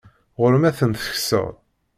Ɣur-m ad ten-tekseḍ.